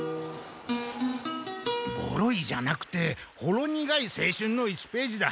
ボロいじゃなくてほろ苦い青春の１ページだ。